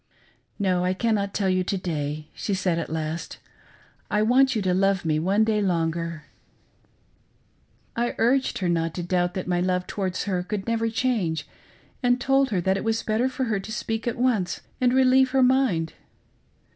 "No: I cannot tell you to day," she said at last, " I want you to love me one day longer." I urged her not to doubt that my love towards her could never change, and told her that it was better for her to speak at once and relieve her mind.